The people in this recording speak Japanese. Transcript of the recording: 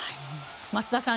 増田さん